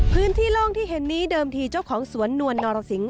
พื้นที่โล่งที่เห็นนี้เดิมที่เจ้าของสวนนวลนรสิงค์